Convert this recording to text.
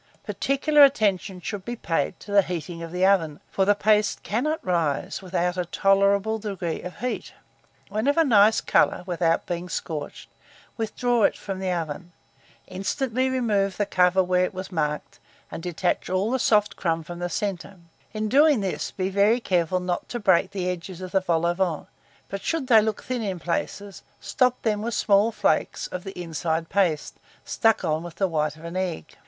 Particular attention should he paid to the heating of the oven, for the paste cannot rise without a tolerable degree of heat When of a nice colour, without being scorched, withdraw it from the oven, instantly remove the cover where it was marked, and detach all the soft crumb from the centre: in doing this, be careful not to break the edges of the vol au vent; but should they look thin in places, stop them with small flakes of the inside paste, stuck on with the white of an egg.